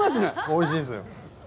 おいしいですよ。